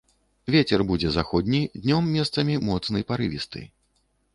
Вецер будзе заходні, днём месцамі моцны парывісты.